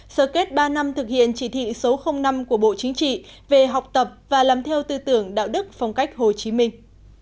sở kết ba năm thực hiện chỉ thị số năm của bộ chính trị về học tập và làm theo tư tưởng đạo đức phong cách hồ chí minh